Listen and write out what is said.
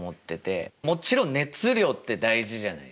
もちろん熱量って大事じゃないですか。